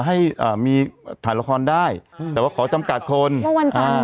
ให้เอ่อมีถ่ายละครได้แต่ว่าขอจำกัดคนว่าวันจันทร์น่ะ